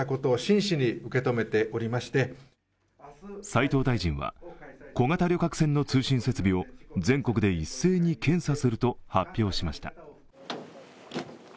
斉藤大臣は小型旅客船の通信設備を全国で一斉に検査すると発表しました。